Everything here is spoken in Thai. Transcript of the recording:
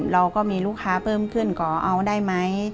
เราก็มีลูกค้าเพิ่มขึ้นก่อเอาได้ไหม